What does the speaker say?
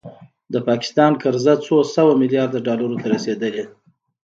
د پاکستان قرضه څو سوه میلیارده ډالرو ته رسیدلې